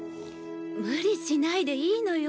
無理しないでいいのよ。